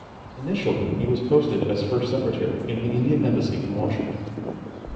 Initially he was posted as First Secretary in the Indian Embassy in Washington.